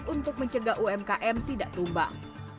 untuk mencegah umkm tidak tumbang